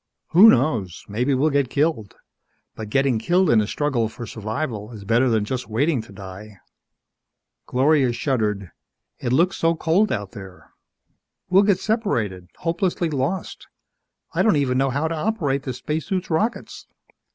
"Who knows? Maybe we'll get killed. But getting killed in a struggle for survival is better than just waiting to die." Gloria shuddered. "It looks so cold out there. We'll get separated hopelessly lost. I don't even know how to operate the spacesuit's rockets!"